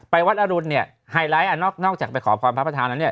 ไปวัดอรุณไฮไลท์นอกจากไปขอพรพระพระธาน